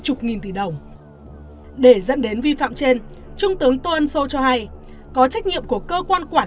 chục nghìn tỷ đồng để dẫn đến vi phạm trên trung tướng tôn sô cho hay có trách nhiệm của cơ quan quản